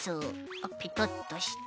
あっペトッとして。